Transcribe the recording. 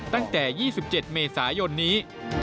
ตั้งแต่๒๗เมษายนนี้